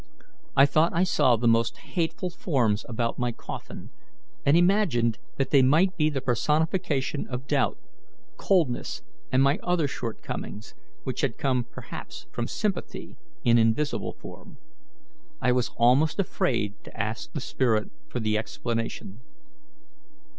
I thought I saw the most hateful forms about my coffin, and imagined that they might be the personification of doubt, coldness, and my other shortcomings, which had come perhaps from sympathy, in invisible form. I was almost afraid to ask the spirit for the explanation."